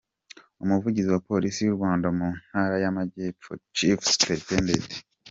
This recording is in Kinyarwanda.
Umuvugizi wa Polisi y’u Rwanda mu ntara y’amajyepfo, Chief Supt.